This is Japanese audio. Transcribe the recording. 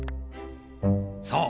そう。